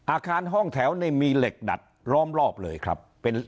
อาคารห้องแถวนี่มีเหล็กดัดล้อมรอบเลยครับ